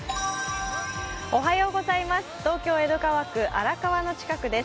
東京・江戸川区荒川の近くです。